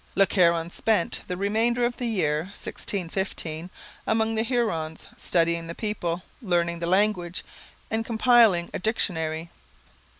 Le Caron spent the remainder of the year 1615 among the Hurons, studying the people, learning the language, and compiling a dictionary.